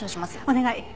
お願い。